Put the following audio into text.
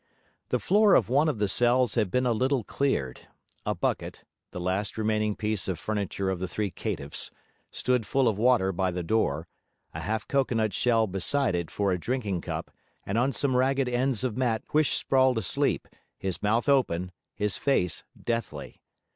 The floor of one of the cells had been a little cleared; a bucket (the last remaining piece of furniture of the three caitiffs) stood full of water by the door, a half cocoanut shell beside it for a drinking cup; and on some ragged ends of mat Huish sprawled asleep, his mouth open, his face deathly.